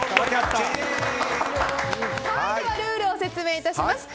ルールを説明いたします。